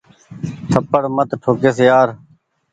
ٿپڙ مت ٺو ڪيس يآر۔